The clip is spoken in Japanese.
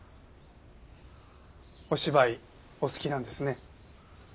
お芝居お好きなんですね。